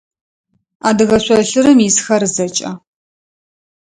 Адыгэ шъолъырым исхэр зэкӏэ.